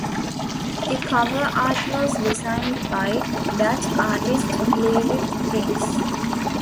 The cover art was designed by Dutch artist Lieve Prins.